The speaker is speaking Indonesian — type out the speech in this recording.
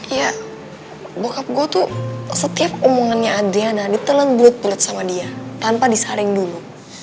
ya bokap gue tuh setiap omongannya adriana diteleng belut belut sama dia tanpa disaring dulu